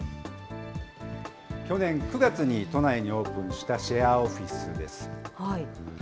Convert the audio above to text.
去年９月に都内にオープンしたシェアオフィスです。